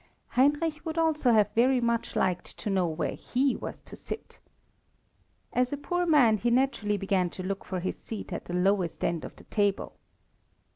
Heinrich would also have very much liked to know where he was to sit. As a poor man he naturally began to look for his seat at the lowest end of the table.